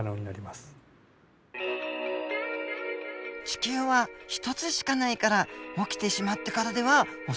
地球は一つしかないから起きてしまってからでは遅いですよね。